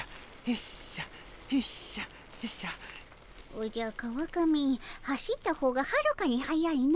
おじゃ川上走った方がはるかに速いの。